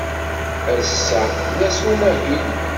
Ass-a d ass n umahil.